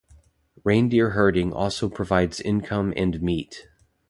Reindeer herding also provides income and meat.